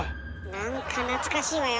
何か懐かしいわよ。